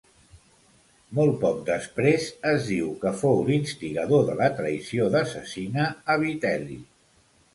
Molt poc després es diu que fou l'instigador de la traïció de Cecina a Vitel·li.